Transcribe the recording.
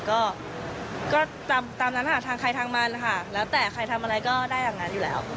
ก็ตามนั้นค่ะทางใครทางมันค่ะแล้วแต่ใครทำอะไรก็ได้อย่างนั้นอยู่แล้ว